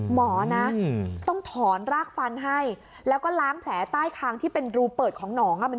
หมอนะต้องถอนรากฟันให้แล้วก็ล้างแผลใต้คางที่เป็นรูเปิดของหนองอ่ะ